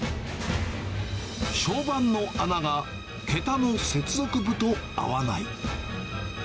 床版の穴が桁の接続部と合わない。